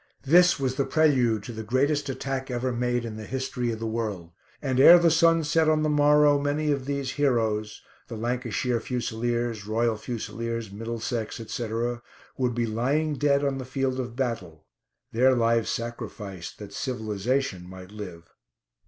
This was the prelude to the greatest attack ever made in the history of the world, and ere the sun set on the morrow many of these heroes the Lancashire Fusiliers, Royal Fusiliers, Middlesex, etc. would be lying dead on the field of battle, their lives sacrificed that civilisation might live.